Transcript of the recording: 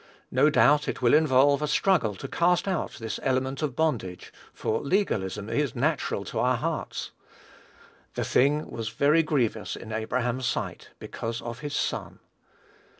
No doubt, it will involve a struggle to cast out this element of bondage, for legalism is natural to our hearts. "The thing was very grievous in Abraham's sight, because of his son."